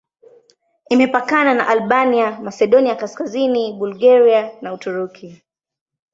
Imepakana na Albania, Masedonia Kaskazini, Bulgaria na Uturuki.